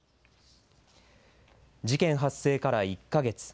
事件発生から１か月。